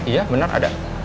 iya bener ada